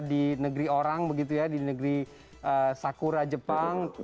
di negeri orang begitu ya di negeri sakura jepang